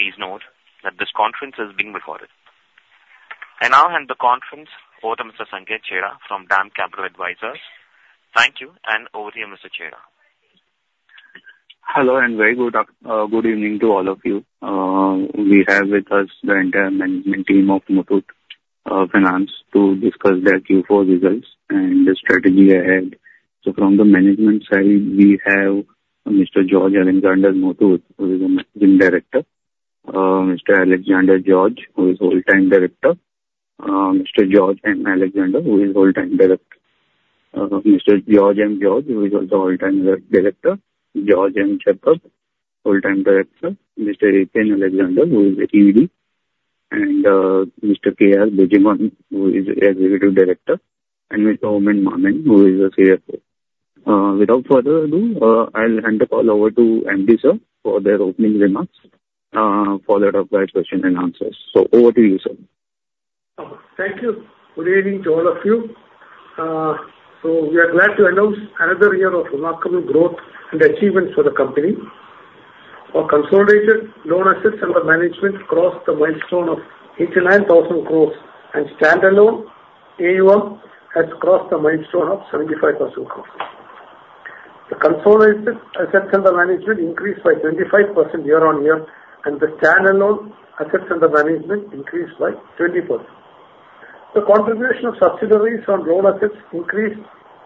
Please note that this conference is being recorded. I now hand the conference over to Mr. Sanket Chheda from DAM Capital Advisors. Thank you, and over to you, Mr. Chheda. Hello, and very good after- good evening to all of you. We have with us the entire management team of Muthoot Finance to discuss their Q4 results and the strategy ahead. So from the management side, we have Mr. George Alexander Muthoot, who is the Managing Director, Mr. Alexander George, who is Whole Time Director, Mr. George M. Alexander, who is Whole Time Director, Mr. George M. George, who is also Whole Time Director, George M. Jacob, Whole Time Director, Mr. Eapen Alexander, who is the ED, and, Mr. K.R. Bijimon, who is Executive Director, and Mr. Oommen K. Mammen, who is the CFO. Without further ado, I'll hand the call over to MD sir for their opening remarks, followed up by question and answers. So over to you, sir. Thank you. Good evening to all of you. So we are glad to announce another year of remarkable growth and achievement for the company. Our consolidated loan assets under management crossed the milestone of 89,000 crore, and standalone AUM has crossed the milestone of 75,000 crore. The consolidated assets under management increased by 25% year-on-year, and the standalone assets under management increased by 20%. The contribution of subsidiaries on loan assets increased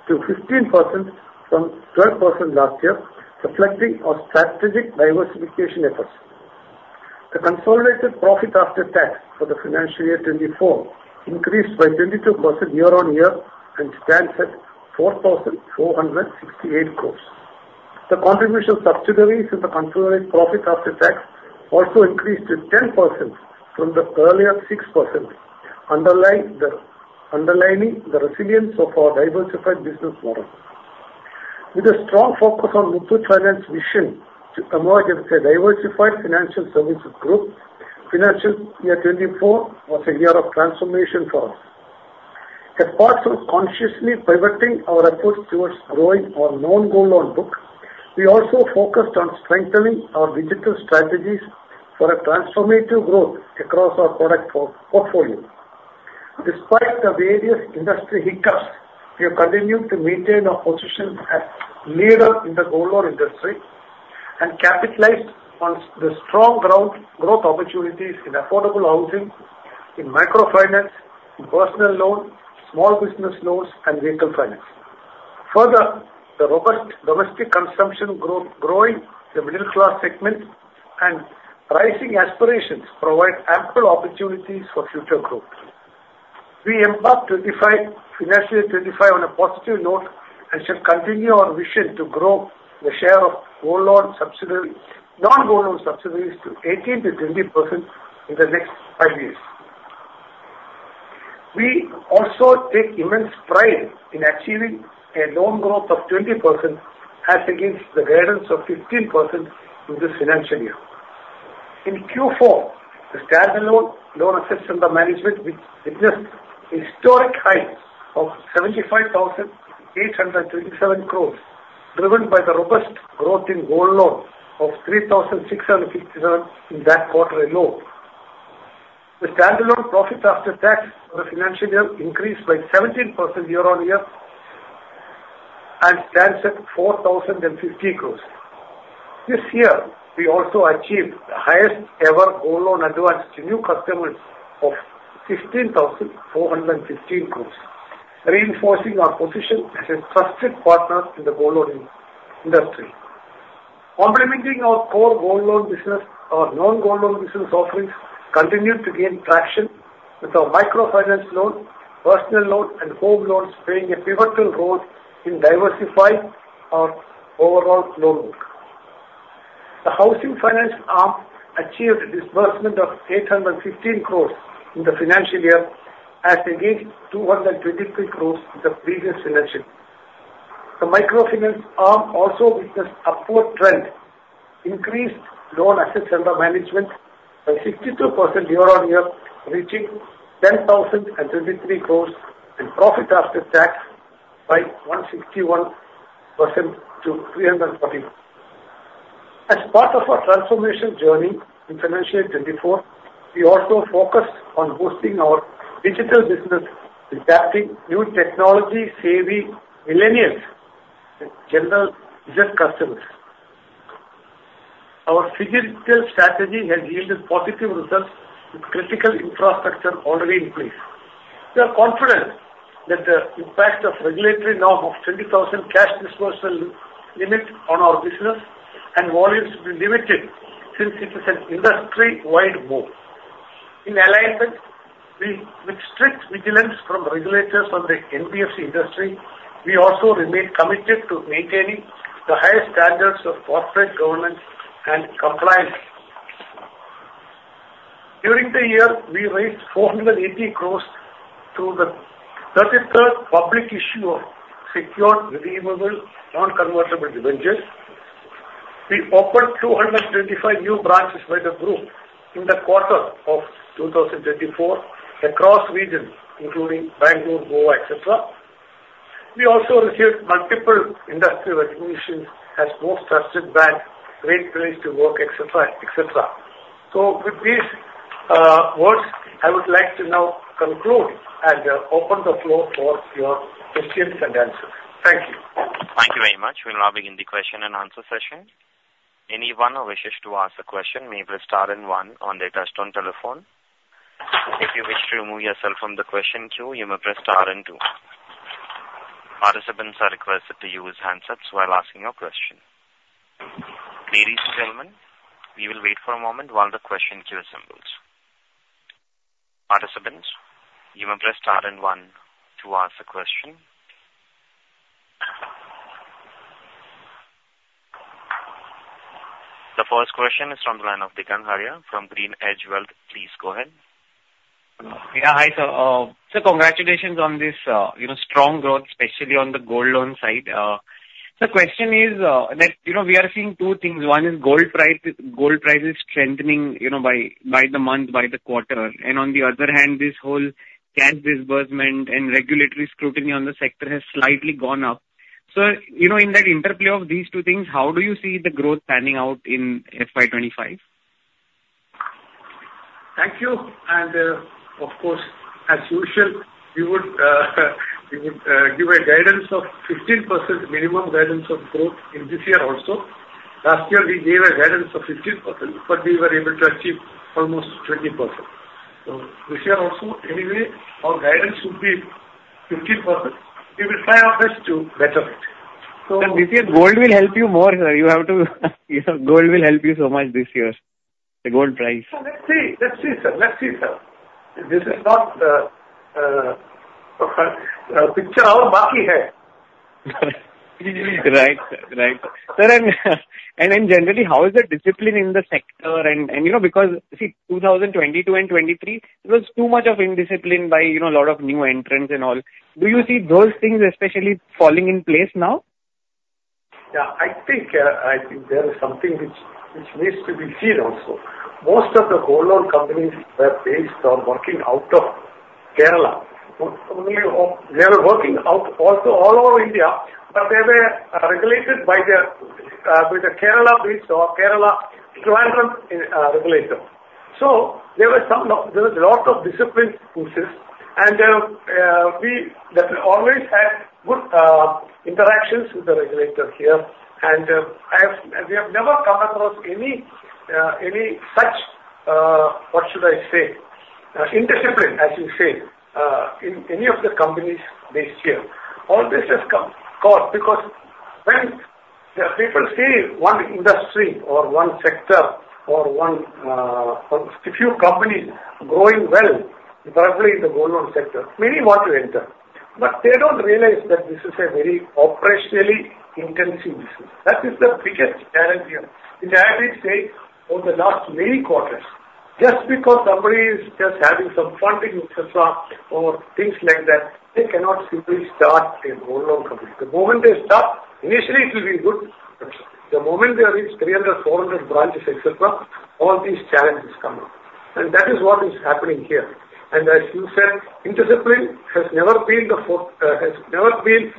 to 15% from 12% last year, reflecting our strategic diversification efforts. The consolidated profit after tax for the financial year 2024 increased by 22% year-on-year and stands at 4,468 crore. The contribution of subsidiaries in the consolidated profit after tax also increased to 10% from the earlier 6%, underlining the resilience of our diversified business model. With a strong focus on Muthoot Finance mission to emerge as a diversified financial services group, financial year 2024 was a year of transformation for us. As part of consciously pivoting our efforts towards growing our non-gold loan book, we also focused on strengthening our digital strategies for a transformative growth across our product portfolio. Despite the various industry hiccups, we have continued to maintain our position as leader in the gold loan industry and capitalized on the strong growth opportunities in affordable housing, in microfinance, in personal loans, small business loans, and vehicle finance. Further, the robust domestic consumption growth growing the middle class segment and rising aspirations provide ample opportunities for future growth. We embark 25, financial year 25 on a positive note and shall continue our mission to grow the share of gold loan subsidiary, non-gold loan subsidiaries to 18%-20% in the next five years. We also take immense pride in achieving a loan growth of 20% as against the guidance of 15% in this financial year. In Q4, the standalone loan assets under management, we witnessed historic highs of 75,837 crore, driven by the robust growth in gold loans of 3,657 crore in that quarter alone. The standalone profit after tax for the financial year increased by 17% year-on-year and stands at 4,050 crore. This year, we also achieved the highest ever Gold Loan advance to new customers of 16,450 crore, reinforcing our position as a trusted partner in the Gold Loan industry. Complementing our core Gold Loan business, our non-Gold Loan business offerings continued to gain traction with our Microfinance loan, Personal Loan, and home loans playing a pivotal role in diversifying our overall loan book. The housing finance arm achieved a disbursement of 815 crore in the financial year, as against 223 crore in the previous financial. The microfinance arm also witnessed upward trend, increased loan assets under management by 62% year-on-year, reaching 10,023 crore, and profit after tax by 161% to 340 crore. As part of our transformation journey in financial year 2024, we also focused on boosting our digital business, adapting new technology-savvy millennials and general digital customers. Our physical strategy has yielded positive results with critical infrastructure already in place. We are confident that the impact of regulatory norm of 20,000 cash disbursal limit on our business and volumes will be limited since it is an industry-wide move. In alignment with strict vigilance from regulators on the NBFC industry, we also remain committed to maintaining the highest standards of corporate governance and compliance. During the year, we raised 480 crore through the 33rd public issue of secured, redeemable, non-convertible debentures. We opened 225 new branches by the group in the quarter of 2024 across regions, including Bengaluru, Goa, etc. We also received multiple industry recognition as most trusted bank, great place to work, et cetera, et cetera. So with these words, I would like to now conclude and open the floor for your questions and answers. Thank you. Thank you very much. We will now begin the question and answer session. Anyone who wishes to ask a question may press star and one on their touchtone telephone. If you wish to remove yourself from the question queue, you may press star and two. Participants are requested to use handsets while asking your question. Ladies and gentlemen, we will wait for a moment while the question queue assembles. Participants, you may press star and one to ask a question. The first question is from the line of Digant Haria from GreenEdge Wealth Services. Please go ahead. Yeah. Hi, sir. So congratulations on this, you know, strong growth, especially on the gold loan side. The question is, that, you know, we are seeing two things. One is gold price, gold price is strengthening, you know, by, by the month, by the quarter. And on the other hand, this whole cash disbursement and regulatory scrutiny on the sector has slightly gone up. So, you know, in that interplay of these two things, how do you see the growth panning out in FY 25? Thank you. Of course, as usual, we would give a guidance of 15% minimum guidance of growth in this year also. Last year, we gave a guidance of 15%, but we were able to achieve almost 20%. So this year also, anyway, our guidance would be 15%. We will try our best to better it. So- Sir, this year, gold will help you more, sir. You have to, you know, gold will help you so much this year, the gold price. So let's see. Let's see, sir. Let's see, sir. This is not picture aur baaki hai. Right. Right. Sir, generally, how is the discipline in the sector, and you know, because see, 2022 and 2023, there was too much of indiscipline by, you know, a lot of new entrants and all. Do you see those things especially falling in place now? Yeah, I think there is something which needs to be seen also. Most of the gold loan companies were based on working out of Kerala. They are working out also all over India, but they were regulated by the Kerala-based or Kerala government regulator. So there were some... There was a lot of discipline pushes, and we definitely always had good interactions with the regulator here. And we have never come across any such what should I say? Indiscipline, as you say, in any of the companies based here. All this has come about because when the people see one industry or one sector or one or a few companies growing well, particularly in the gold loan sector, many want to enter, but they don't realize that this is a very operationally intensive business. That is the biggest challenge here. I will say, over the last many quarters, just because somebody is just having some funding, et cetera, or things like that, they cannot simply start a gold loan company. The moment they start, initially it will be good, but the moment they reach 300, 400 branches, et cetera, all these challenges come up. And that is what is happening here. And as you said, indiscipline has never been the practice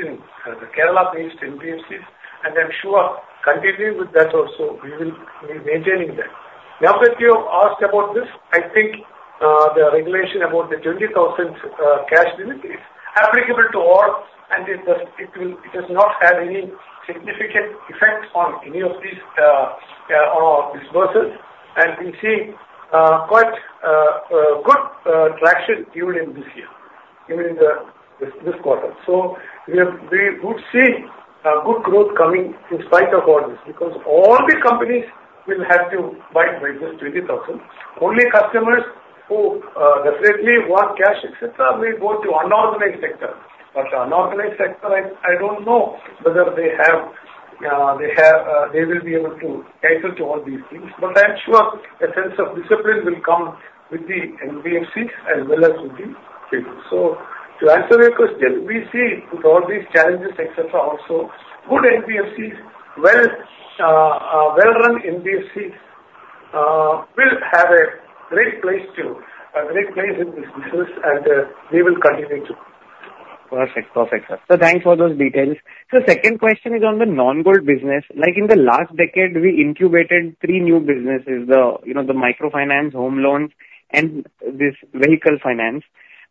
in the Kerala-based NBFCs, and I'm sure continuing with that also, we will be maintaining that. Now that you have asked about this, I think the regulation about the INR 20,000 cash limit is applicable to all, and it does, it will, it does not have any significant effect on any of these on our disbursements. And we see quite a good traction during this year, even in this quarter. So we have, we would see good growth coming in spite of all this, because all the companies will have to abide by this 20,000. Only customers who definitely want cash, et cetera, will go to unorganized sector. But unorganized sector, I don't know whether they will be able to adhere to all these things, but I am sure a sense of discipline will come with the NBFCs as well as with the people. So to answer your question, we see with all these challenges, et cetera, also, good NBFCs, well, well-run NBFCs, will have a great place to, a great place in this business, and, we will continue to. Perfect. Perfect, sir. So thanks for those details. So second question is on the non-gold business. Like in the last decade, we incubated three new businesses, the, you know, the microfinance, home loans, and this vehicle finance.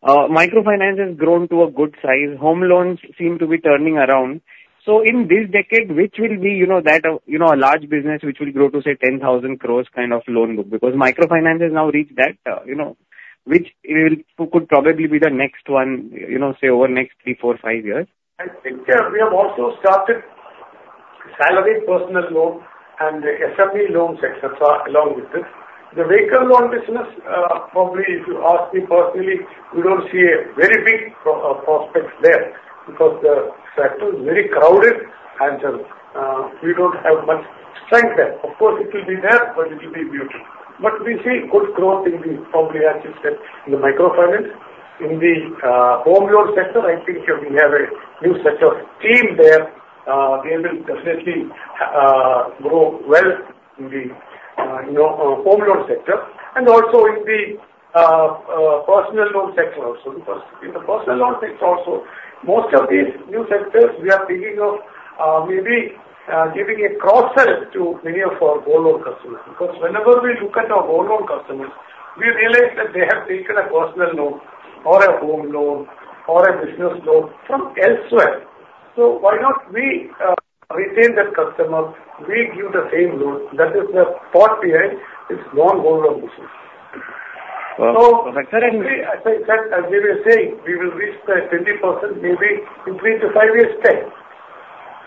Microfinance has grown to a good size. Home loans seem to be turning around. So in this decade, which will be, you know, that, you know, a large business which will grow to, say, 10,000 crore kind of loan book? Because microfinance has now reached that, you know, which will could probably be the next one, you know, say, over the next three, four, five years. I think, we have also started salary, personal loan, and the SME loan sector along with this. The vehicle loan business, probably, if you ask me personally, we don't see a very big prospects there because the sector is very crowded, and we don't have much strength there. Of course, it will be there, but it will be muted. But we see good growth in the, probably, as you said, in the microfinance. In the home loan sector, I think we have a new set of team there. They will definitely grow well in the, you know, home loan sector and also in the personal loan sector also, because in the personal loan sector also, most of these new sectors, we are thinking of, maybe, giving a cross-sell to many of our gold loan customers. Because whenever we look at our gold loan customers, we realize that they have taken a personal loan or a home loan or a business loan from elsewhere. So why not we retain that customer. We give the same loan that is the thought behind this non-gold loan business. Well, but sir- As I said, as we were saying, we will reach the 20% maybe between the five years' time.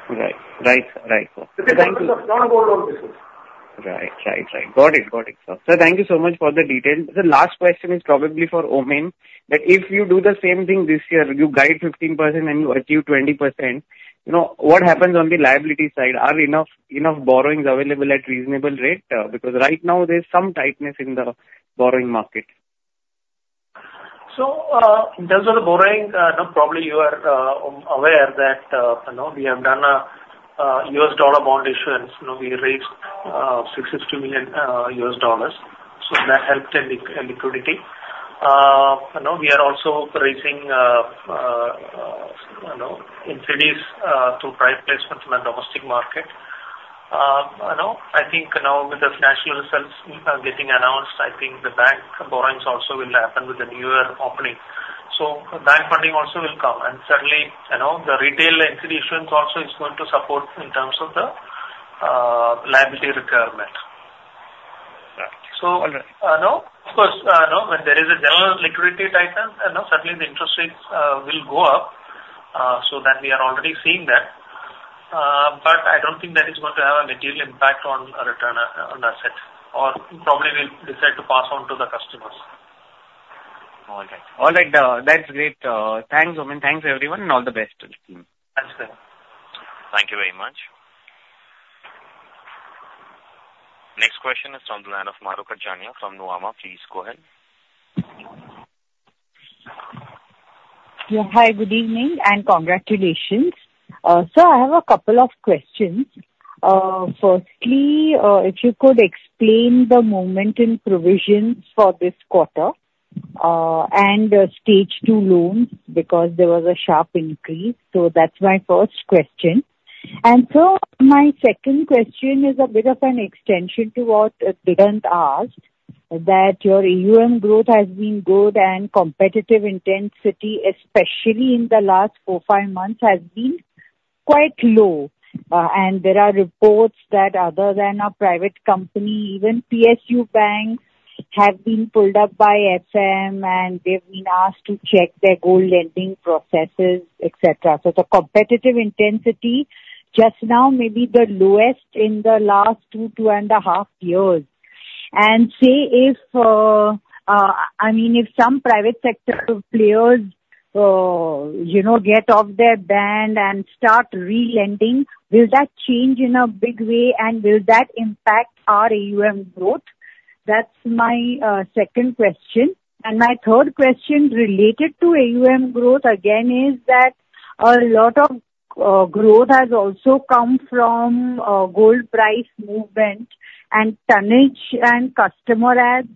Right. Right, sir. Right. Because of non-gold loan business. Right. Right. Right. Got it. Got it, sir. Sir, thank you so much for the details. The last question is probably for Oommen, that if you do the same thing this year, you guide 15% and you achieve 20%, you know, what happens on the liability side? Are enough, enough borrowings available at reasonable rate? Because right now there's some tightness in the borrowing market. So, in terms of the borrowing, no, probably you are aware that, you know, we have done a U.S. dollar bond issuance. You know, we raised $660 million, so that helped in liquidity. You know, we are also raising NCDs through private placement in the domestic market. You know, I think now with the financial results getting announced, I think the bank borrowings also will happen with the new year opening. So bank funding also will come, and certainly, you know, the retail NCD issuance also is going to support in terms of the liability requirement. Yeah. So- All right. Now, of course, you know, when there is a general liquidity tightness, you know, certainly the interest rates will go up, so that we are already seeing that. But I don't think that is going to have a material impact on return on the asset, or probably we'll decide to pass on to the customers. All right. All right, that's great. Thanks, Oommen. Thanks, everyone, and all the best. Thanks, sir. Thank you very much. Next question is from the line of Mahrukh Adajania from Nuvama. Please go ahead. Yeah. Hi, good evening, and congratulations. So I have a couple of questions. Firstly, if you could explain the movement in provisions for this quarter, and the Stage 2 loans, because there was a sharp increase. So that's my first question. And sir, my second question is a bit of an extension to what Digant asked, that your AUM growth has been good and competitive intensity, especially in the last 4-5 months, has been quite low. And there are reports that other than a private company, even PSU banks have been pulled up by FM, and they've been asked to check their gold lending processes, et cetera. So the competitive intensity just now may be the lowest in the last 2-2.5 years. And say if, I mean, if some private sector players, you know, get off their band and start re-lending, will that change in a big way, and will that impact our AUM growth? That's my second question. And my third question related to AUM growth again, is that a lot of growth has also come from gold price movement and tonnage and customer adds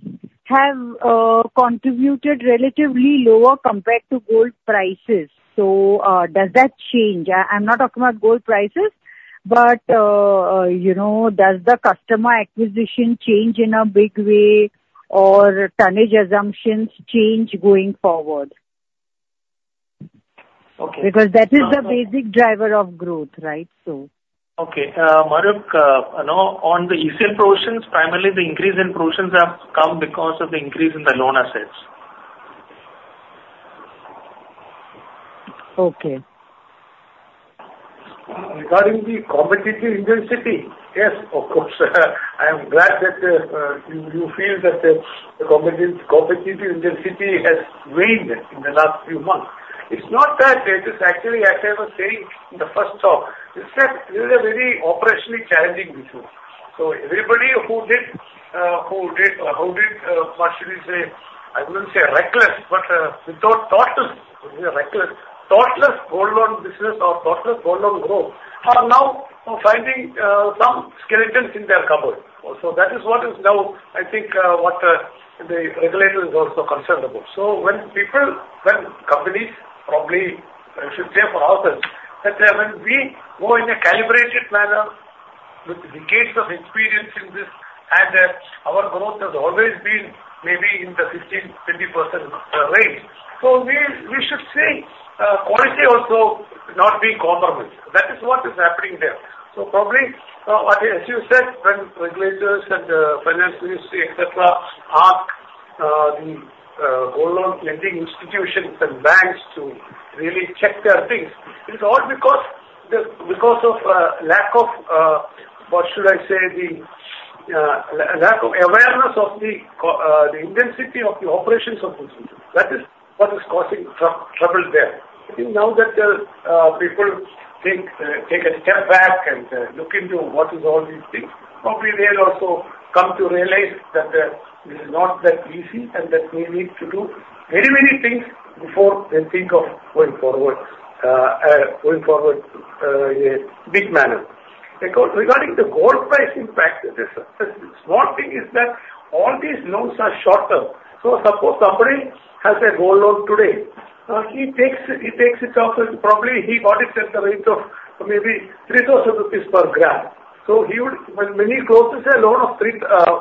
have contributed relatively lower compared to gold prices. So, does that change? I'm not talking about gold prices, but, you know, does the customer acquisition change in a big way or tonnage assumptions change going forward? Okay. Because that is the basic driver of growth, right? So. Okay. Mahrukh, you know, on the ECL provisions, primarily the increase in provisions have come because of the increase in the loan assets. Okay. Regarding the competitive intensity, yes, of course. I am glad that you feel that the competitive intensity has waned in the last few months. It's not that, it is actually, as I was saying in the first talk, it's that this is a very operationally challenging business. So everybody who did what should we say? I wouldn't say reckless, but thoughtless gold loan business or thoughtless gold loan growth are now finding some skeletons in their cupboard. Also, that is what is now, I think, what the regulator is also concerned about. So when people, when companies, probably I should say for ourselves, that, when we go in a calibrated manner with decades of experience in this, and, our growth has always been maybe in the 15%-20% range. So we, we should say, quality also not be compromised. That is what is happening there. So probably, what as you said, when regulators and, finance ministry, et cetera, ask, the, gold loan lending institutions and banks to really check their things, it's all because the, because of, lack of, what should I say, the, lack of awareness of the intensity of the operations of the system. That is what is causing trouble there. I think now that people take a step back and look into what is all these things, probably they'll also come to realize that this is not that easy and that we need to do many, many things before they think of going forward, going forward in a big manner. Because regarding the gold price, in fact, the small thing is that all these loans are short term. So suppose somebody has a gold loan today, he takes it off, probably he bought it at the rate of maybe 3,000 rupees per gram. So he would, when he closes a loan of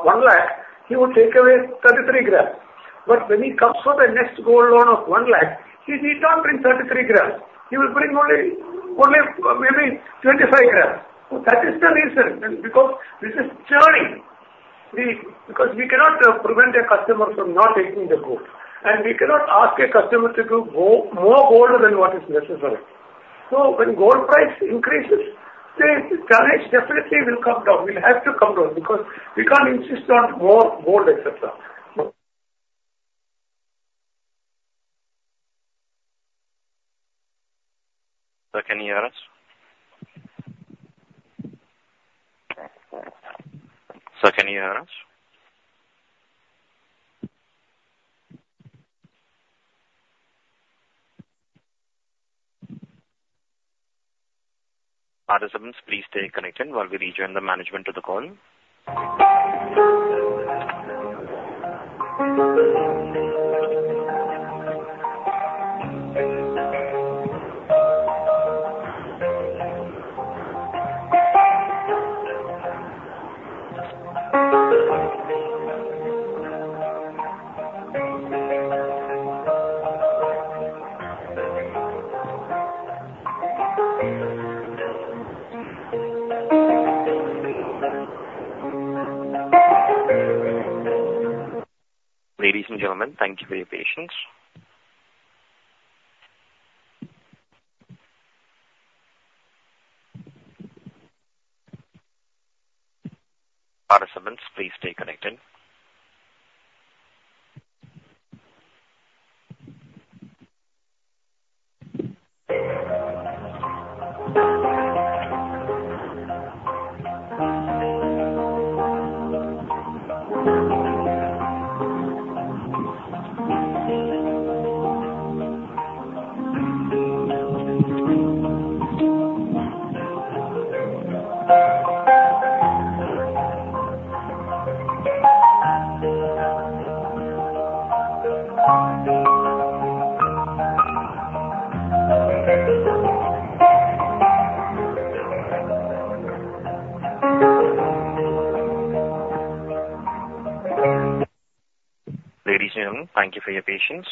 one lakh, he would take away 33 gram. But when he comes for the next gold loan of one lakh, he need not bring 33 gram. He will bring only, only, maybe 25 grams. So that is the reason, because this is churning. Because we cannot prevent a customer from not taking the gold, and we cannot ask a customer to do go more gold than what is necessary. So when gold price increases, the tonnage definitely will come down. It has to come down because we can't insist on more gold, et cetera. Sir, can you hear us? Sir, can you hear us? Participants, please stay connected while we rejoin the management to the call.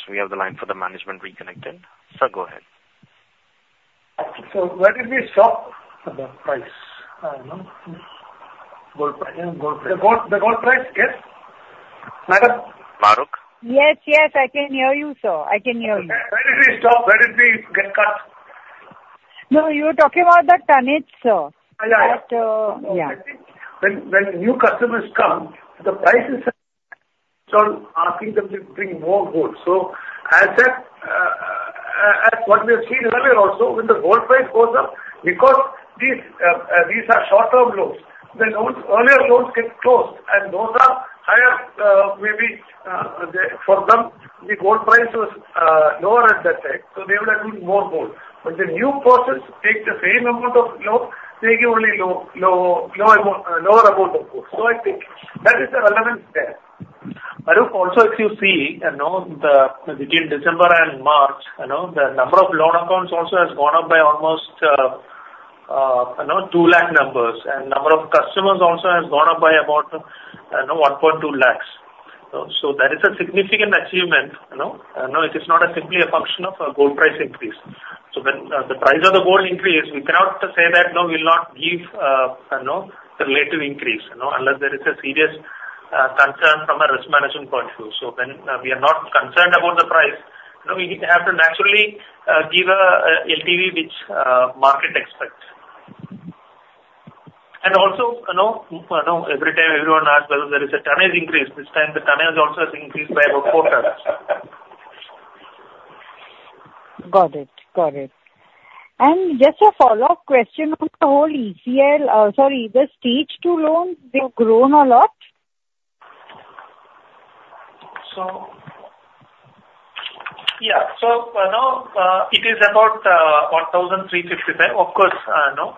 We have the line for the management reconnected. Sir, go ahead. Where did we stop at the price? I don't know. Gold price. The gold, the gold price? Yes. Madam? Maarukh? Yes, yes, I can hear you, sir. I can hear you. Where did we stop? Where did we get cut? No, you were talking about the tonnage, sir. Yeah. But, yeah. When new customers come, the prices are asking them to bring more gold. So as a, as what we have seen earlier also, when the gold price goes up, because these, these are short-term loans, the loans, earlier loans get closed, and those are higher, maybe, the, for them, the gold price was, lower at that time, so they would have brought more gold. But the new purchases take the same amount of loan, taking only low, low, low amo-, lower amount of gold. So I think that is the relevance there. Mahrukh, also, if you see, you know, between December and March, you know, the number of loan accounts also has gone up by almost, you know, 200,000, and number of customers also has gone up by about, you know, 120,000. So that is a significant achievement, you know. No, it is not simply a function of a gold price increase. So when the price of the gold increase, we cannot say that, no, we will not give, you know, the relative increase, you know, unless there is a serious concern from a risk management point of view. So then we are not concerned about the price. You know, we have to naturally give a LTV, which market expects. And also, you know, every time everyone asks whether there is a tonnage increase. This time, the tonnage has also increased by about 4 tons. Got it. Got it. And just a follow-up question on the whole ECL, sorry, the stage two loans, they've grown a lot? So, yeah. So, you know, it is about 1,350. Of course, you know,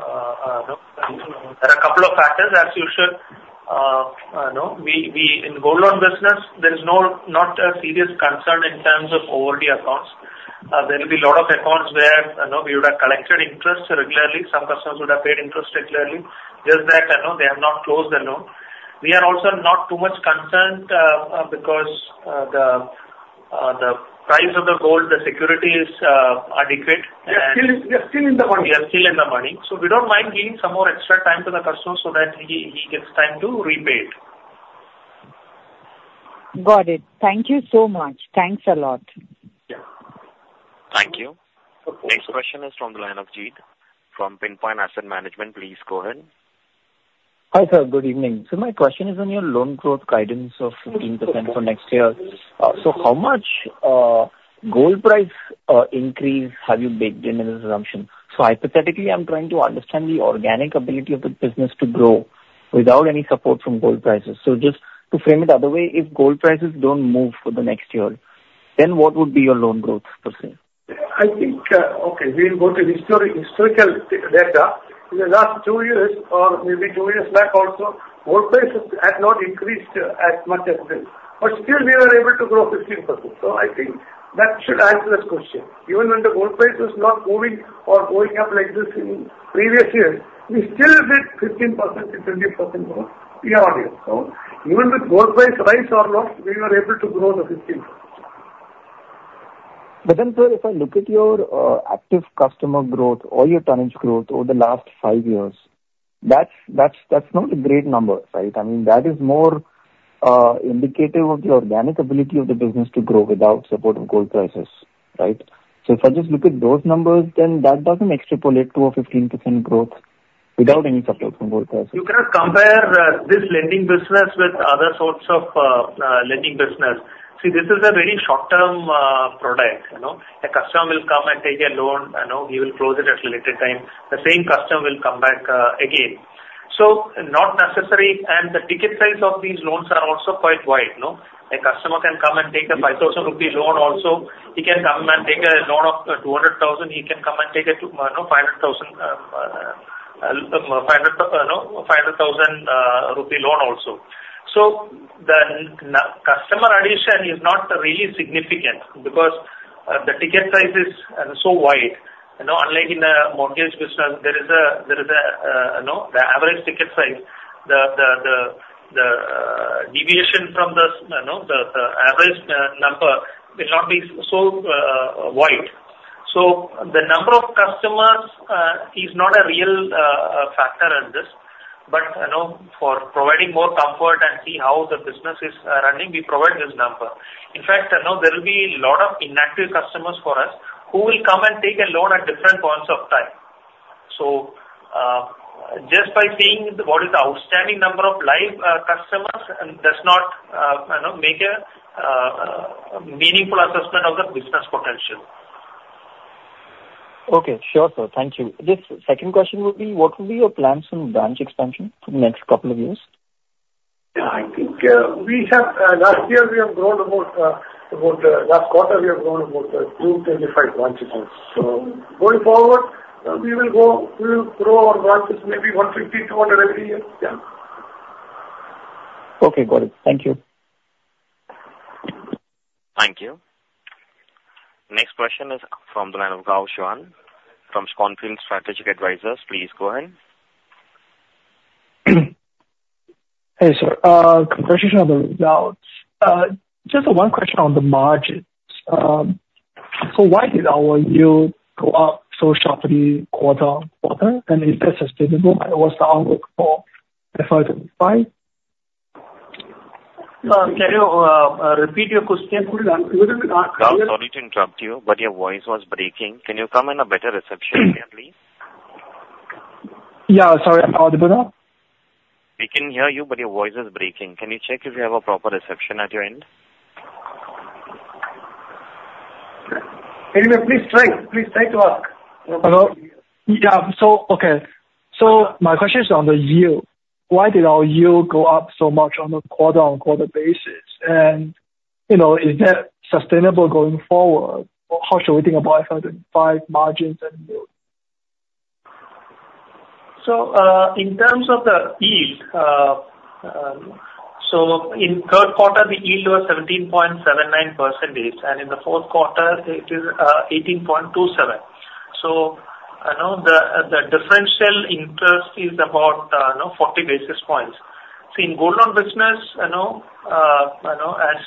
there are a couple of factors, as you should know. We in the gold loan business, there is not a serious concern in terms of overdue accounts. There will be a lot of accounts where, you know, we would have collected interest regularly. Some customers would have paid interest regularly. Just that, you know, they have not closed the loan. We are also not too much concerned, because the price of the gold, the security is adequate. We are still in the money. We are still in the money, so we don't mind giving some more extra time to the customer so that he gets time to repay it. Got it. Thank you so much. Thanks a lot. Yeah. Thank you. Next question is from the line of Jeet from Pinpoint Asset Management. Please go ahead. Hi, sir. Good evening. So my question is on your loan growth guidance of 15% for next year. So how much gold price increase have you baked in in this assumption? So hypothetically, I'm trying to understand the organic ability of the business to grow without any support from gold prices. So just to frame it other way, if gold prices don't move for the next year?... Then what would be your loan growth percent? I think, okay, we will go to historic, historical data. In the last two years or maybe two years back also, gold prices had not increased as much as this, but still we were able to grow 15%. So I think that should answer this question. Even when the gold price was not moving or going up like this in previous years, we still did 15%-20% growth year-on-year. So even with gold price rise or low, we were able to grow the 15%. But then, sir, if I look at your active customer growth or your tonnage growth over the last five years, that's not a great number, right? I mean, that is more indicative of the organic ability of the business to grow without support of gold prices, right? So if I just look at those numbers, then that doesn't extrapolate to a 15% growth without any support from gold prices. You cannot compare this lending business with other sorts of lending business. See, this is a very short-term product, you know? A customer will come and take a loan, you know, he will close it at a later time. The same customer will come back again. So not necessary, and the ticket sales of these loans are also quite wide, no? A customer can come and take a 5,000 rupee loan also. He can come and take a loan of 200,000. He can come and take a two, no, five hundred thousand, five hundred, you know, five hundred thousand rupee loan also. So the customer addition is not really significant because the ticket price is so wide. You know, unlike in a mortgage business, there is a, you know, the average ticket size, the deviation from the, you know, the average number will not be so wide. So the number of customers is not a real factor in this. But you know, for providing more comfort and see how the business is running, we provide this number. In fact, you know, there will be a lot of inactive customers for us who will come and take a loan at different points of time. So, just by seeing what is the outstanding number of live customers does not you know, make a meaningful assessment of the business potential. Okay. Sure, sir. Thank you. This second question would be: What would be your plans on branch expansion for the next couple of years? I think, we have last year we have grown about, about last quarter we have grown about 225 branches. So going forward, we will go, we will grow our branches maybe 150-200 every year. Yeah. Okay, got it. Thank you. Thank you. Next question is from the line of Gao Xuan from Schonfeld Strategic Advisors. Please go ahead. Hey, sir, congratulations on the results. Just one question on the margins. So why did our yield go up so sharply quarter on quarter, and is that sustainable? And what's the outlook for FY 25? Can you repeat your question? We were not clear. Gao, sorry to interrupt you, but your voice was breaking. Can you come in a better reception again, please? Yeah, sorry, I'm audible now? We can hear you, but your voice is breaking. Can you check if you have a proper reception at your end? Anyway, please try. Please try to ask. Hello? Yeah. So, okay. So my question is on the yield. Why did our yield go up so much on a quarter-on-quarter basis? And, you know, is that sustainable going forward, or how should we think about FY 25 margins and yield? So, in terms of the yield, so in third quarter, the yield was 17.79%, and in the fourth quarter, it is 18.27. So, you know, the differential interest is about, you know, 40 basis points. See, in gold loan business, you know, you know, as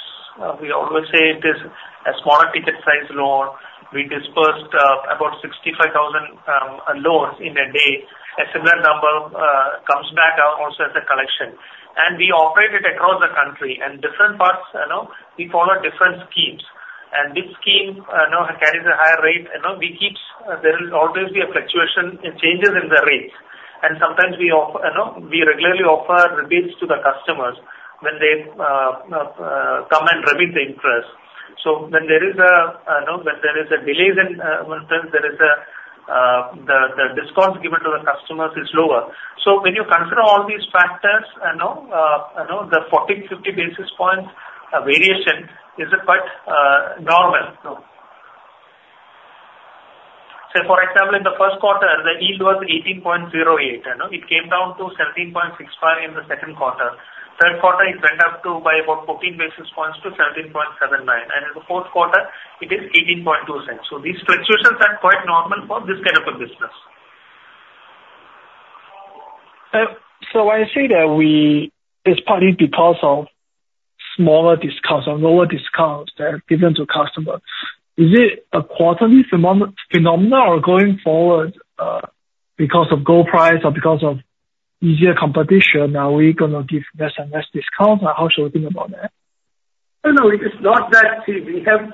we always say, it is a smaller ticket size loan. We dispersed about 65,000 loans in a day. A similar number comes back also as a collection. And we operate it across the country and different parts, you know, we follow different schemes. And this scheme, you know, carries a higher rate. You know, we keep... There is always a fluctuation in changes in the rates. Sometimes we regularly offer rebates to the customers when they come and remit the interest. So when there is a delay in the discounts given to the customers is lower. So when you consider all these factors, you know, you know, the 14-50 basis points variation is quite normal, no. Say, for example, in the first quarter, the yield was 18.08, you know. It came down to 17.65 in the second quarter. Third quarter, it went up by about 14 basis points to 17.79, and in the fourth quarter, it is 18.26. So these fluctuations are quite normal for this kind of a business. I say that it's partly because of smaller discounts or lower discounts that are given to customers. Is it a quarterly phenomenon or going forward, because of gold price or because of easier competition, are we gonna give less and less discounts, or how should we think about that? No, no, it is not that. We have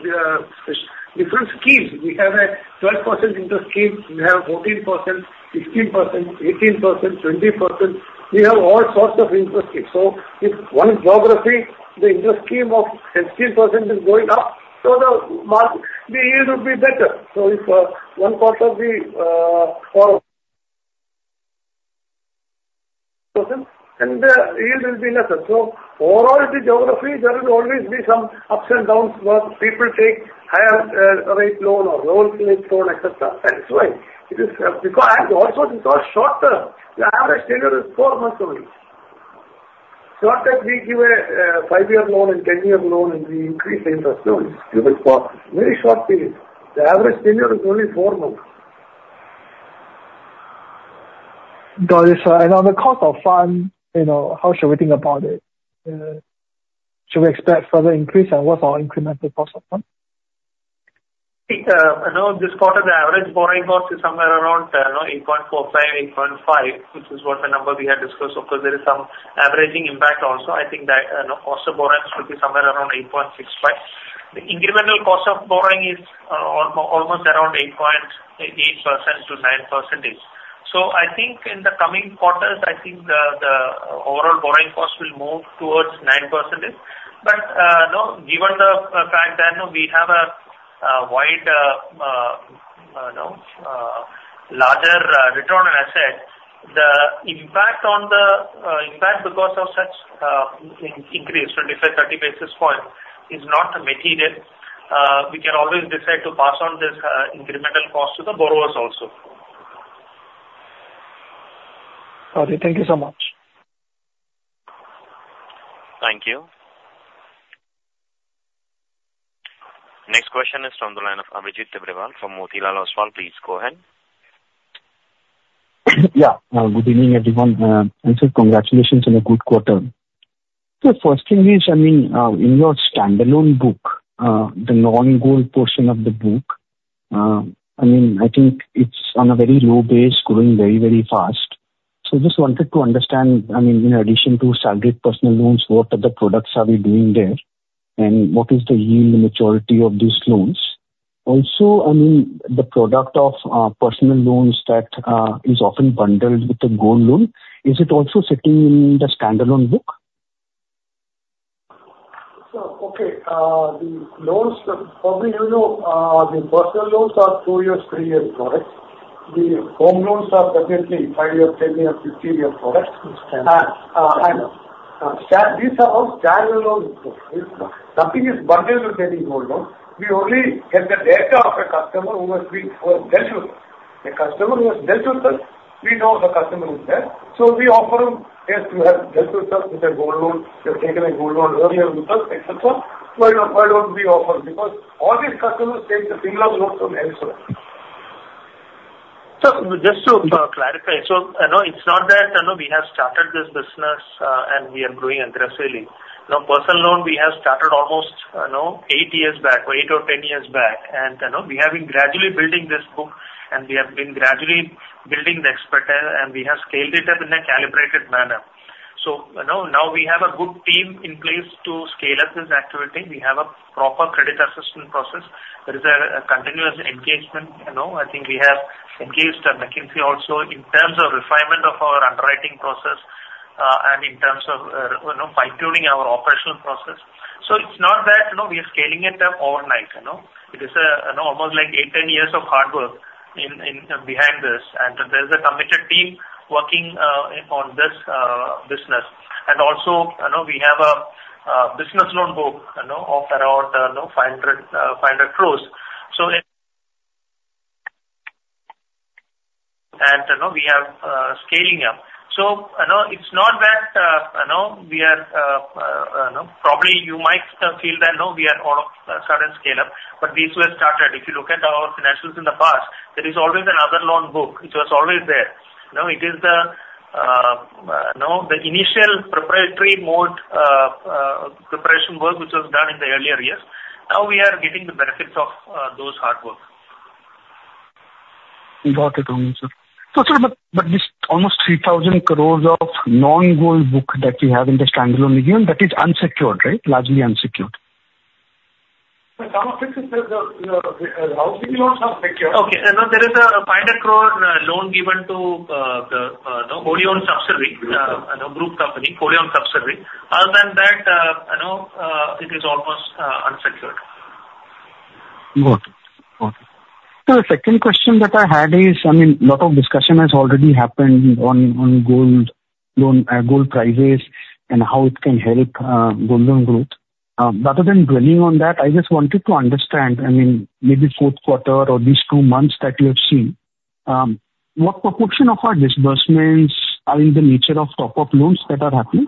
different schemes. We have a 12% interest scheme. We have 14%, 15%, 18%, 20%. We have all sorts of interest schemes. So if one geography, the interest scheme of 15% is going up, so the mar- the yield will be better. So if one quarter of the for-... and the yield will be lesser. So overall, the geography, there will always be some ups and downs, where people take higher rate loan or low rate loan, et cetera. That is why it is, because also it's short term. The average tenure is 4 months only. Not that we give a 5-year loan and 10-year loan, and we increase the interest. No, it's very short, very short period. The average tenure is only 4 months. Got it, sir. And on the cost of fund, you know, how should we think about it? Should we expect further increase, and what's our incremental cost of fund? You know, this quarter, the average borrowing cost is somewhere around 8.45-8.5, which is what the number we had discussed. Of course, there is some averaging impact also. I think that cost of borrowings will be somewhere around 8.65. The incremental cost of borrowing is almost around 8.8% to 9%. So I think in the coming quarters, I think the overall borrowing cost will move towards 9%. But you know, given the fact that you know, we have a wide larger return on asset, the impact on the impact because of such increase, 25-30 basis points, is not material. We can always decide to pass on this, incremental cost to the borrowers also. Okay, thank you so much. Thank you. Next question is from the line of Abhijit Tibrewal from Motilal Oswal. Please go ahead. Yeah. Good evening, everyone. And sir, congratulations on a good quarter. So first thing is, I mean, in your standalone book, the non-gold portion of the book, I mean, I think it's on a very low base, growing very, very fast. So just wanted to understand, I mean, in addition to salaried personal loans, what other products are we doing there? And what is the yield maturity of these loans? Also, I mean, the product of personal loans that is often bundled with the gold loan, is it also sitting in the standalone book? So, okay, the loans, probably, you know, the personal loans are 2 years, 3-year products. The home loans are definitely 5-year, 10-year, 15-year products. Yes. These are all standalone products. Nothing is bundled with any gold loan. We only get the data of a customer who has been dealt with. A customer who has dealt with us, we know the customer is there. So we offer him, "Yes, you have dealt with us with a gold loan. You have taken a gold loan earlier with us, et cetera. Why don't we offer?" Because all these customers take the similar loans from elsewhere. Sir, just to clarify. So, you know, it's not that, you know, we have started this business, and we are growing aggressively. You know, personal loan, we have started almost, you know, 8 years back, or 8 or 10 years back. And, you know, we have been gradually building this book, and we have been gradually building the expertise, and we have scaled it up in a calibrated manner. So, you know, now we have a good team in place to scale up this activity. We have a proper credit assessment process. There is a, a continuous engagement, you know. I think we have engaged McKinsey also in terms of refinement of our underwriting process, and in terms of, you know, fine-tuning our operational process. So it's not that, you know, we are scaling it up overnight, you know? It is, you know, almost like 8-10 years of hard work in, in, behind this. And there's a committed team working on this business. And also, you know, we have a business loan book, you know, of around, you know, 500 crore. So and, you know, we have scaling up. So, you know, it's not that, you know, we are, you know, probably you might feel that, you know, we are on a certain scale-up, but this was started. If you look at our financials in the past, there is always another loan book, which was always there. You know, it is the, you know, the initial proprietary mode preparation work, which was done in the earlier years. Now we are getting the benefits of those hard work. Got it. Thank you, sir. So sir, but, but this almost 3,000 crore of non-gold book that you have in the standalone, again, that is unsecured, right? Largely unsecured. Sir, some of it is, housing loans are secured. Okay, you know, there is a 500 crore loan given to the, you know, wholly-owned subsidiary, you know, group company, wholly-owned subsidiary. Other than that, you know, it is almost unsecured. Got it. Got it. So the second question that I had is, I mean, a lot of discussion has already happened on, on gold loan, gold prices and how it can help, gold loan growth. Rather than dwelling on that, I just wanted to understand, I mean, maybe fourth quarter or these two months that you have seen, what proportion of our disbursements are in the nature of top-up loans that are happening?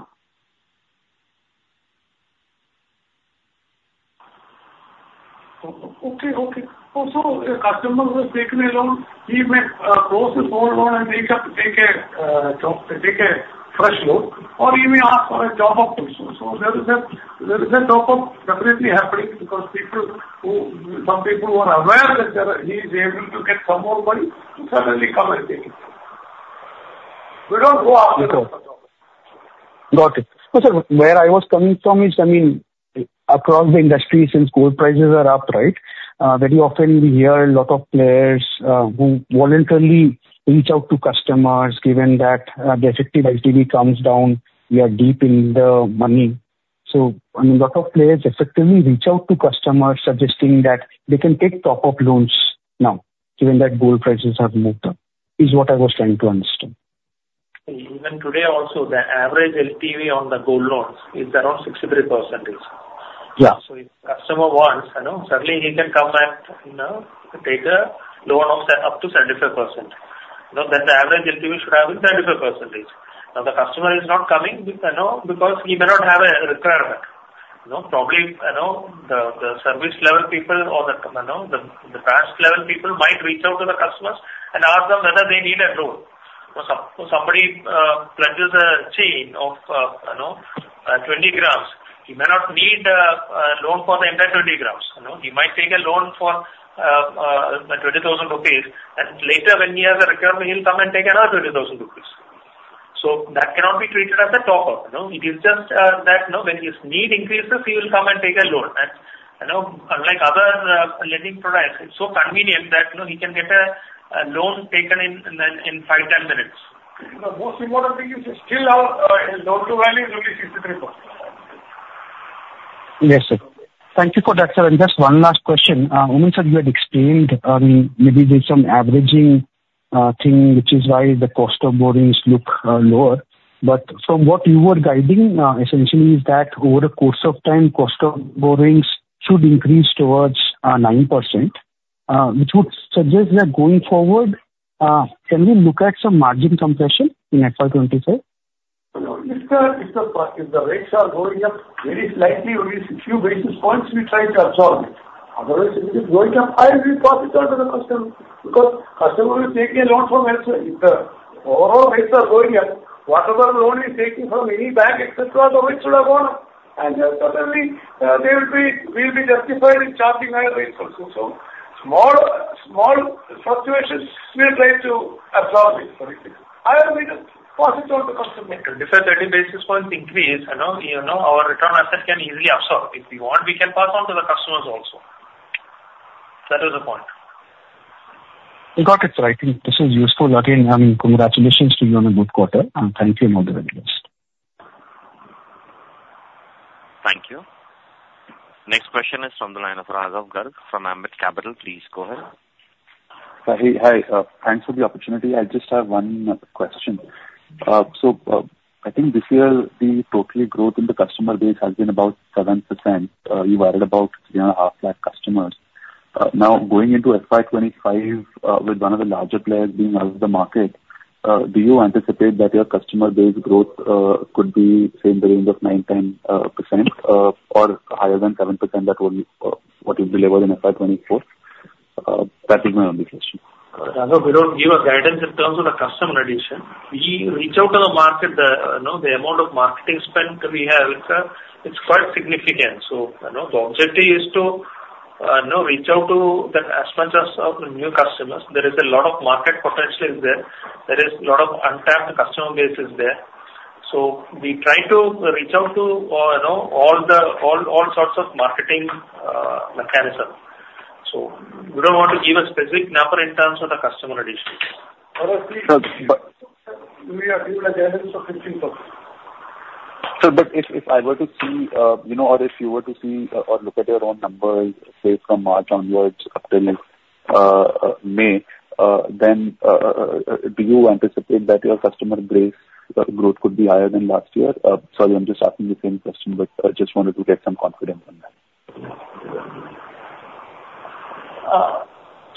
Okay, okay. So, so a customer who has taken a loan, he may close his gold loan and he can take a top, take a fresh loan, or he may ask for a top-up. So there is a, there is a top-up definitely happening because people who... Some people who are aware that he's able to get some more money, suddenly come and take it. We don't go after the top-up. Got it. So sir, where I was coming from is, I mean, across the industry, since gold prices are up, right, very often we hear a lot of players who voluntarily reach out to customers, given that the effective LTV comes down, we are deep in the money.... So, I mean, a lot of players effectively reach out to customers suggesting that they can take top-up loans now, given that gold prices have moved up, is what I was trying to understand. Even today also, the average LTV on the gold loans is around 63%. Yeah. So if customer wants, you know, certainly he can come and, you know, take a loan of up to 75%. Now, then the average LTV should have is 75%. Now, the customer is not coming I know, because he may not have a requirement. You know, probably, you know, the service level people or the branch level people might reach out to the customers and ask them whether they need a loan. So if somebody pledges a chain of, you know, 20 grams, he may not need a loan for the entire 20 grams, you know? He might take a loan for 20,000 rupees, and later when he has a requirement, he'll come and take another 20,000 rupees. So that cannot be treated as a top-up, no? It is just that, you know, when his need increases, he will come and take a loan. And, you know, unlike other lending products, it's so convenient that, you know, he can get a loan taken in 5, 10 minutes. The most important thing is we still have a loan-to-value is only 63%. Yes, sir. Thank you for that, sir. And just one last question. Oommen sir, you had explained, maybe there's some averaging thing, which is why the cost of borrowings look lower. But from what you were guiding, essentially, is that over the course of time, cost of borrowings should increase towards 9%, which would suggest that going forward, can we look at some margin compression in FY 2025? No, if the rates are going up very slightly, only a few basis points, we try to absorb. Otherwise, if it is going up, I will pass it on to the customer, because customer will take a loan from elsewhere. If the overall rates are going up, whatever loan he's taking from any bank, et cetera, the rates should have gone up. And then certainly, they will be - we'll be justified in charging higher rates also. So small, small fluctuations, we try to absorb it, correct me. Otherwise, we just pass it on to the customer. 30 basis points increase, you know, you know, our return on asset can easily absorb. If we want, we can pass on to the customers also. That is the point. We got it, sir. I think this is useful. Again, I mean, congratulations to you on a good quarter, and thank you, and all the very best. Thank you. Next question is from the line of Raghav Garg from Ambit Capital. Please go ahead. Hi, hi. Thanks for the opportunity. I just have one question. I think this year, the total growth in the customer base has been about 7%. You added about 3.5 lakh customers. Now, going into FY 2025, with one of the larger players leaving the market, do you anticipate that your customer base growth could be, say, in the range of 9%-10%, or higher than 7%, that would be what you delivered in FY 2024? That is my only question. Raghav, we don't give a guidance in terms of the customer addition. We reach out to the market, you know, the amount of marketing spend we have, it's quite significant. So, you know, the objective is to, you know, reach out to as much as of new customers. There is a lot of market potential is there. There is a lot of untapped customer base is there. So we try to reach out to, you know, all the all sorts of marketing mechanism. So we don't want to give a specific number in terms of the customer addition. But we are giving a guidance of 15%. Sir, but if I were to see, you know, or if you were to see or look at your own numbers, say, from March onwards up till, do you anticipate that your customer base growth could be higher than last year? Sorry, I'm just asking the same question, but I just wanted to get some confidence on that.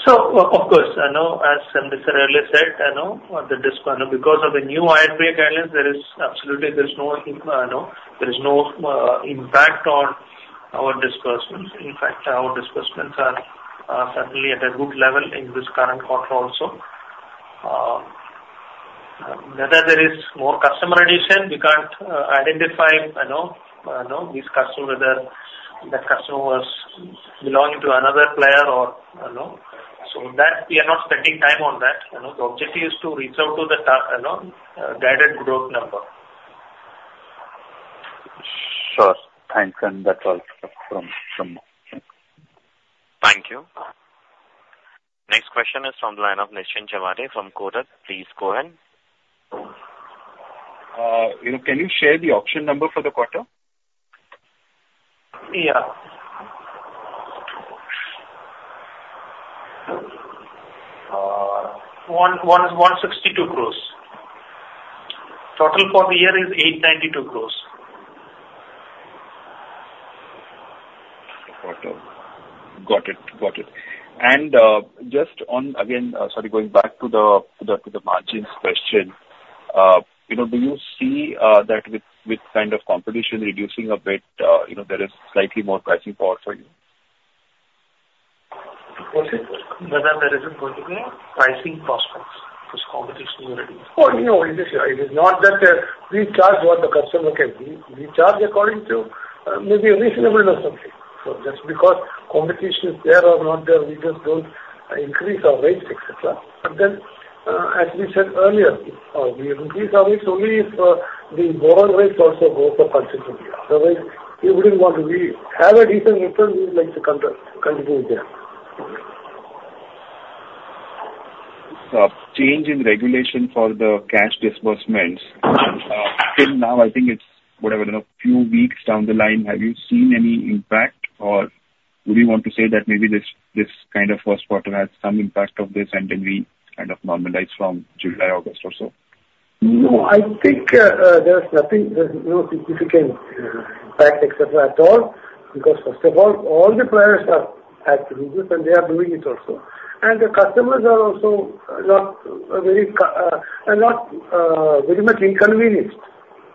So of course, as MD sir earlier said, because of the new RBI guidelines, there is absolutely no impact on our disbursements. In fact, our disbursements are certainly at a good level in this current quarter also. Whether there is more customer addition, we can't identify this customer, whether that customer was belonging to another player or. So that we are not spending time on that. You know, the objective is to reach out to the customer, you know, guided growth number. Sure. Thanks, and that's all from me. Thank you. Next question is from the line of Nischint Chawathe from Kotak. Please go ahead. You know, can you share the auction number for the quarter? Yeah. The number is 162 crore. Total for the year is 892 crore. Got it. Got it. And just on again, sorry, going back to the margins question, you know, do you see that with kind of competition reducing a bit, you know, there is slightly more pricing power for you? What is it? Whether there is a particular pricing prospects because competition is reducing? Oh, no, it is, it is not that we charge what the customer can pay. We charge according to maybe reasonableness something. So just because competition is there or not there, we just don't increase our rates, et cetera. But then, as we said earlier, we increase our rates only if the overall rates also goes up substantially. Otherwise, we wouldn't want to. We have a decent return, we would like to continue there.... change in regulation for the cash disbursements. Till now, I think it's, whatever, in a few weeks down the line, have you seen any impact, or would you want to say that maybe this, this kind of first quarter had some impact of this, and then we kind of normalized from July, August or so? No, I think, there's nothing, there's no significant impact et cetera at all. Because first of all, all the players have had to do this, and they are doing it also. And the customers are also not very, are not, very much inconvenienced.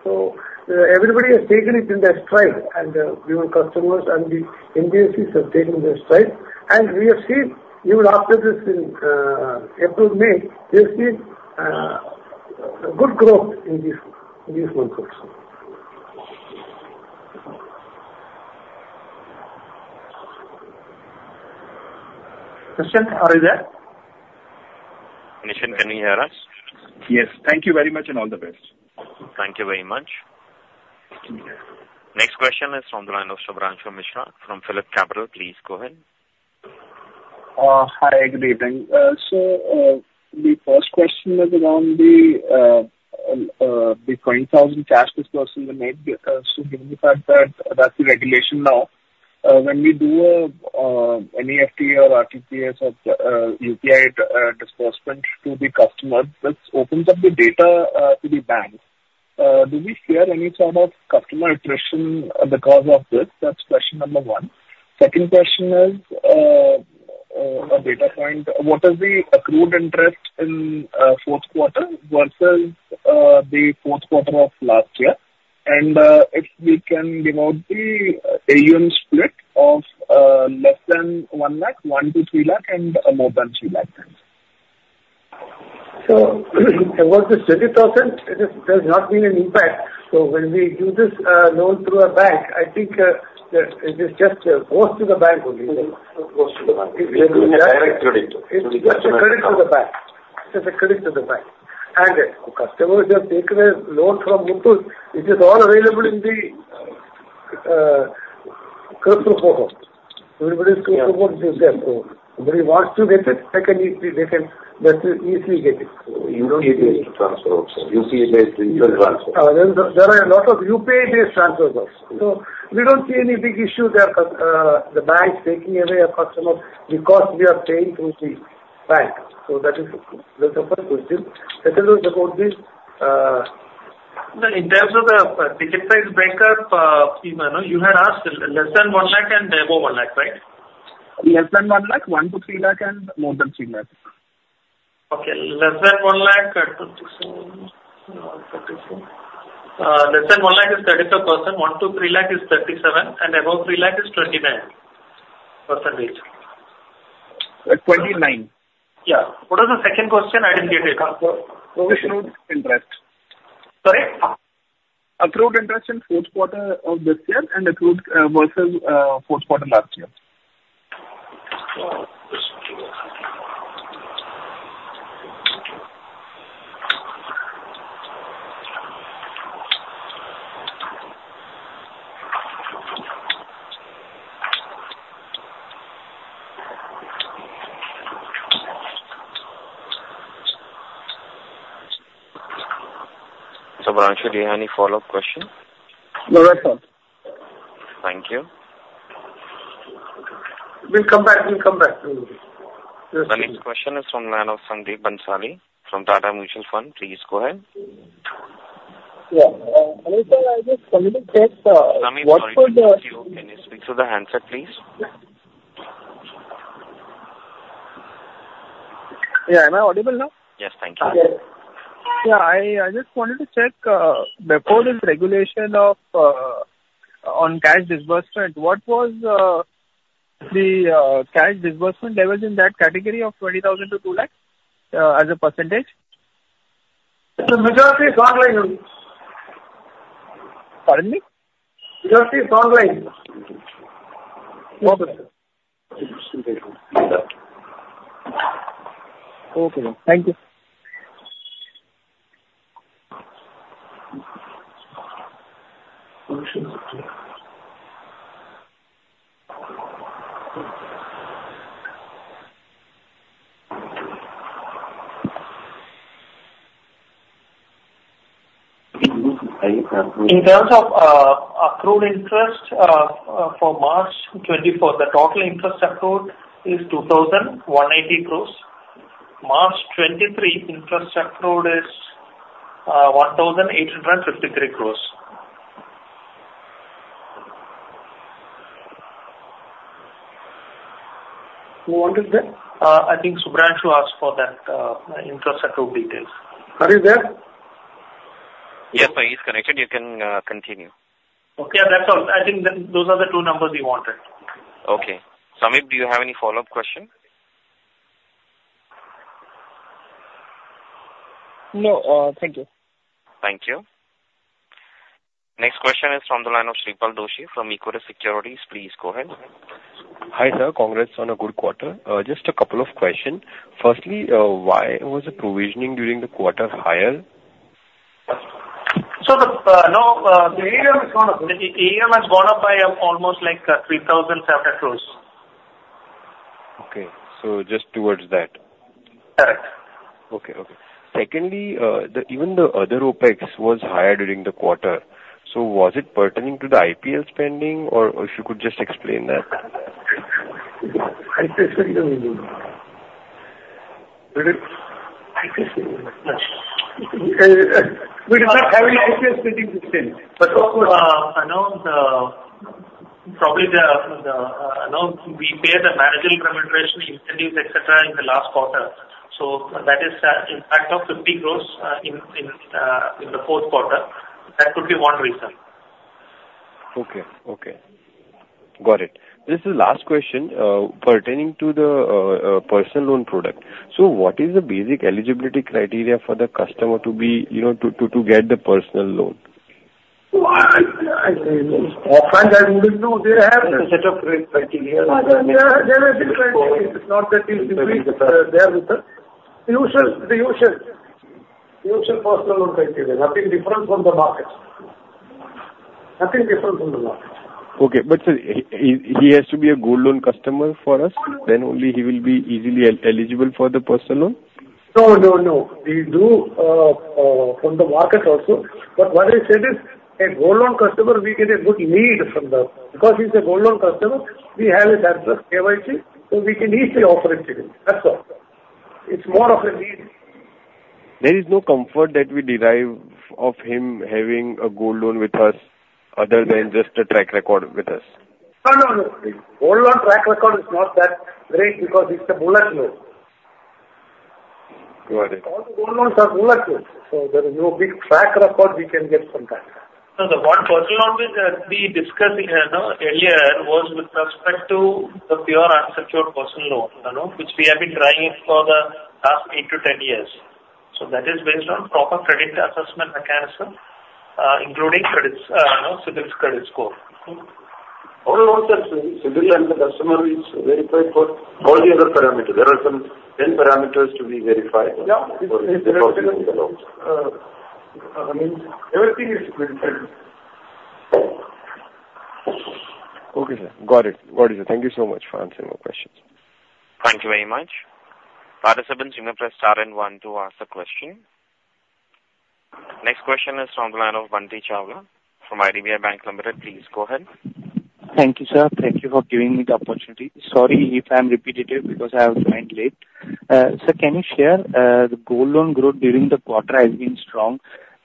So everybody has taken it in their stride, and, even customers and the NBFCs have taken their stride. And we have seen, even after this in, April, May, we have seen, a good growth in this, in these months also. Nischint, are you there? Nischint, can you hear us? Yes. Thank you very much, and all the best. Thank you very much. Next question is from the line of Shubhranshu Mishra from PhillipCapital. Please go ahead. Hi, good evening. So, the first question is around the 20,000 cash disbursement made. So given the fact that that's the regulation now, when we do any EFT or RTGS or UPI disbursement to the customer, this opens up the data to the bank. Do we fear any sort of customer attrition because of this? That's question number one. Second question is a data point. What is the accrued interest in fourth quarter versus the fourth quarter of last year? And if we can denote the AUM split of less than 1 lakh, 1 lakh to 3 lakh, and more than 3 lakh, thanks. About this INR 20,000, it is. There's not been an impact. So when we do this loan through a bank, I think that it is just goes to the bank only. It goes to the bank. It's a direct credit. It's just a credit to the bank. It is a credit to the bank. The customers have taken a loan from Muthoot. It is all available in the credit report. Everybody's credit report is there, so anybody who wants to get it, they can just easily get it. UPI-based transfer also. UPI-based internal transfer. There are a lot of UPI-based transfers also. So we don't see any big issue there, the bank taking away a customer because we are paying through the bank. So that is the, that's the first question. Second one is about the, No, in terms of the ticket price breakup, earlier, no, you had asked less than 1 lakh and above 1 lakh, right? Less than 1 lakh, 1-3 lakh, and more than 3 lakh. Okay. Less than 1 lakh, 24, 34. Less than 1 lakh is 32%, 1-3 lakh is 37%, and above 3 lakh is 29%. Uh, twenty-nine? Yeah. What was the second question? I didn't get it. Accrued interest. Sorry? Accrued interest in fourth quarter of this year and accrued versus fourth quarter last year. Shubhranshu, do you have any follow-up question? No, that's all. Thank you. We'll come back, we'll come back. The next question is from the line of Sandeep Bhansali from Tata Mutual Fund. Please go ahead. Yeah. Hello, sir. I just wanted to check what was the- Sami, sorry to interrupt you. Can you speak through the handset, please? Yeah. Am I audible now? Yes, thank you. Yeah. I just wanted to check, before this regulation of on cash disbursement, what was the cash disbursement levels in that category of 20,000-200,000, as a percentage? The majority is online only. Pardon me? Majority is online. Okay. Okay, thank you. In terms of accrued interest, for March 2024, the total interest accrued is 2,180 crore. March 2023, interest accrued is 1,853 crore. Who wanted that? I think Shubhranshu asked for that, interest accrued details. Are you there? Yes, sir, he's connected. You can continue. Okay, that's all. I think that those are the two numbers we wanted. Okay. Sameep, do you have any follow-up question? No. Thank you. Thank you. Next question is from the line of Shreepal Doshi from Kotak Securities. Please go ahead. Hi, sir. Congrats on a good quarter. Just a couple of question. Firstly, why was the provisioning during the quarter higher?... No, the AUM has gone up. The AUM has gone up by almost like 3,007 crore. Okay. So just toward that? Correct. Okay. Okay. Secondly, the even the other OPEX was higher during the quarter, so was it pertaining to the IPL spending, or if you could just explain that? IPL spending, no. Did it- IPL spending, no. We did not have any IPL spending this year. But of course, I know we paid the managerial remuneration, incentives, et cetera, in the last quarter, so that is impact of 50 crore in the fourth quarter. That could be one reason. Okay. Okay. Got it. This is last question. Pertaining to the personal loan product. So what is the basic eligibility criteria for the customer to be, you know, to get the personal loan? Well, I think oftentimes we do. They have- A set of criteria. There are different criteria. It's not that easy to read. They are with the usual personal loan criteria. Nothing different from the market. Nothing different from the market. Okay, but sir, he has to be a gold loan customer for us, then only he will be easily eligible for the personal loan? No, no, no. We do from the market also. But what I said is a gold loan customer, we get a good lead from them. Because he's a gold loan customer, we have his address, KYC, so we can easily offer it to him. That's all. It's more of a lead. There is no comfort that we derive of him having a gold loan with us other than just a track record with us? No, no, no. Gold Loan track record is not that great because it's a bullet loan. Got it. All gold loans are bullet loans, so there is no big track record we can get from that. So the what personal loan which we discussed, you know, earlier, was with respect to the pure unsecured personal loan, you know, which we have been trying it for the last 8-10 years. So that is based on proper credit assessment mechanism, including credits, you know, CIBIL's credit score. All loans are CIBIL, and the customer is verified for all the other parameters. There are some 10 parameters to be verified. Yeah. I mean, everything is verified. Okay, sir. Got it. Got it. Thank you so much for answering my questions. Thank you very much. Participants, you may press star and one to ask the question. Next question is from the line of Bunty Chawla from IDBI Bank Limited. Please go ahead. Thank you, sir. Thank you for giving me the opportunity. Sorry if I'm repetitive, because I have joined late. Sir, can you share the gold loan growth during the quarter has been strong.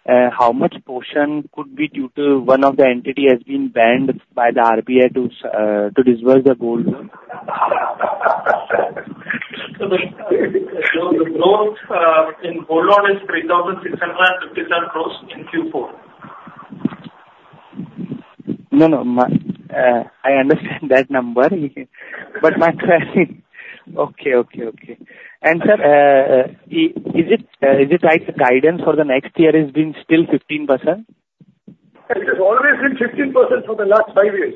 How much portion could be due to one of the entity has been banned by the RBI to disburse the gold loan? The growth in gold loan is 3,659 crore in Q4. No, no, my... I understand that number, but my question... Okay, okay, okay. And sir, is it right, the guidance for the next year has been still 15%? It has always been 15% for the last 5 years.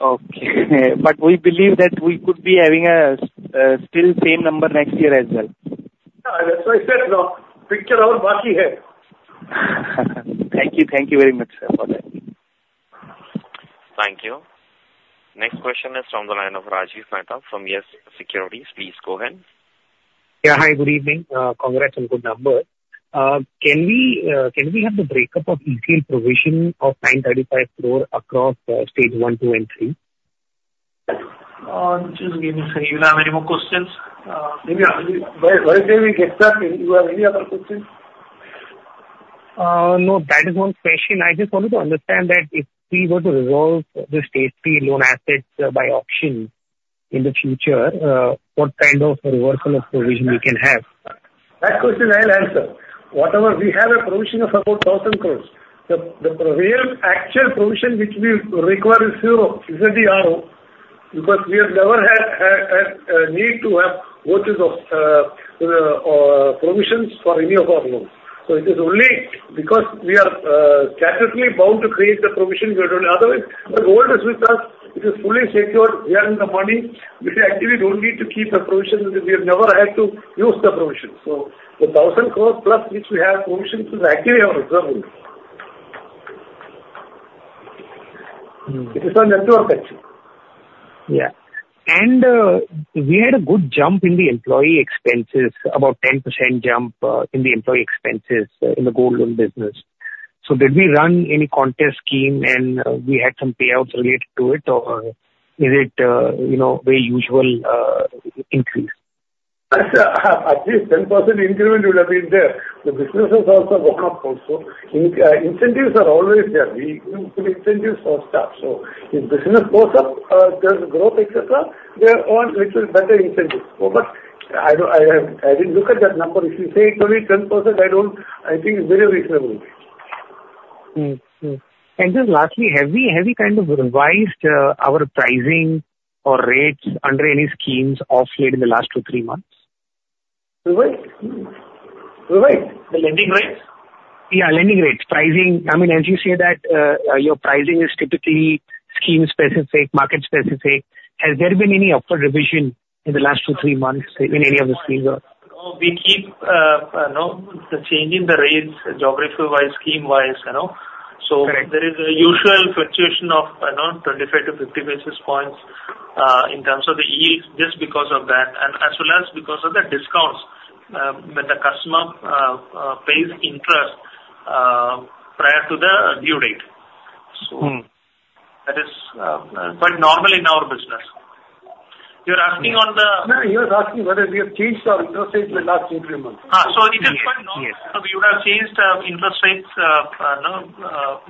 Okay. But we believe that we could be having a still same number next year as well? Yeah, that's why I said, picture aur baaki hai. Thank you. Thank you very much, sir, for that. Thank you. Next question is from the line of Rajiv Mehta from YES Securities. Please go ahead. Yeah. Hi, good evening. Congrats on good number. Can we have the break-up of ECL provision of 935 crore across Stage 1, 2, and 3? Just give me a second. You have any more questions? Maybe, where did we get stuck? Do you have any other questions? No, that is one question. I just wanted to understand that if we were to resolve the Stage 3 loan assets by auction in the future, what kind of reversal of provision we can have? That question I'll answer. Whatever, we have a provision of about 1,000 crore. The real actual provision which we require is zero, this is the rule, because we have never had a need to have 100% provision for any of our loans. So it is only because we are statutorily bound to create the provision, we are doing. Otherwise, the gold is with us, it is fully secured, we are in the money. We actually don't need to keep the provisions. We have never had to use the provision. So the 1,000 crore plus which we have provisions is actually our reserve only. Mm. It is our net worth, actually. Yeah. And we had a good jump in the employee expenses, about 10% jump in the employee expenses in the gold loan business. So did we run any contest scheme and we had some payouts related to it, or is it, you know, the usual increase? That's at least 10% increment would have been there. The business has also gone up also. Incentives are always there. We give incentives for staff. So if business goes up, there's growth, et cetera, they want little better incentives. So but I don't, I didn't look at that number. If you say it's only 10%, I don't... I think it's very reasonable. And just lastly, have we, have we kind of revised our pricing or rates under any schemes of late in the last two, three months? Revised? Revised the lending rates? Yeah, lending rates, pricing. I mean, as you say that, your pricing is typically-... scheme specific, market specific, has there been any upward revision in the last 2, 3 months in any of the schemes? No, we keep, you know, changing the rates geographical-wise, scheme-wise, you know? Okay. So there is a usual fluctuation of, you know, 25-50 basis points in terms of the yields, just because of that, and as well as because of the discounts, when the customer pays interest prior to the due date. Hmm. So that is quite normal in our business. You're asking on the- No, he was asking whether we have changed our interest rates in the last three months. So in that point, no. Yes. So we would have changed interest rates, you know,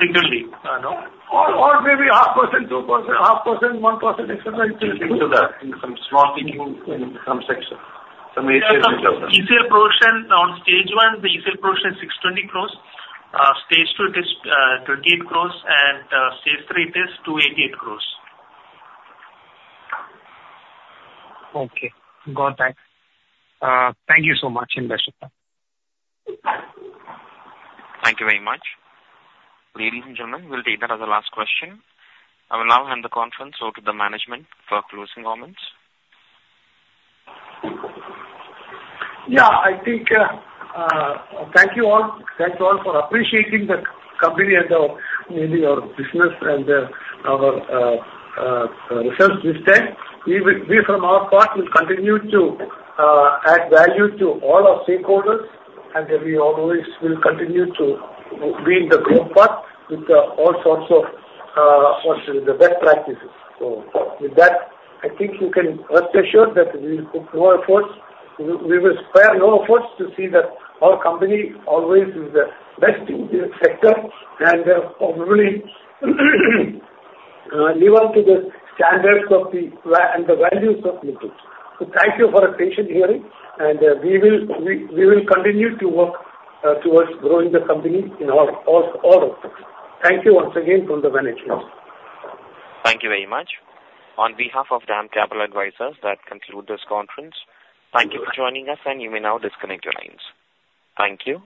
frequently, no? Or maybe 0.5%, 2%, 0.5%, 1%, etc. the ECL, some small ticking in some sections. Some ECL provision on Stage 1, the ECL provision is 620 crore. Stage 2, it is 28 crore, and Stage 3, it is 288 crore. Okay, got that. Thank you so much, understood, sir. Thank you very much. Ladies and gentlemen, we'll take that as the last question. I will now hand the conference over to the management for closing comments. Yeah, I think, thank you all. Thank you all for appreciating the company and, maybe our business and, our results this time. We will, we from our part will continue to, add value to all our stakeholders, and we always will continue to be in the growth path with, all sorts of, what should be the best practices. So with that, I think you can rest assured that we will put more efforts. We will spare no efforts to see that our company always is the best in the sector and, probably, live up to the standards of the va... and the values of Muthoot. So thank you for your attention hearing, and, we will continue to work, towards growing the company in all aspects. Thank you once again from the management. Thank you very much. On behalf of DAM Capital Advisors, that conclude this conference. Thank you for joining us, and you may now disconnect your lines. Thank you.